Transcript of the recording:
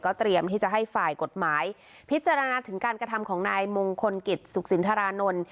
เตรียมที่จะให้ฝ่ายกฎหมายพิจารณาถึงการกระทำของนายมงคลกิจสุขสินทรานนท์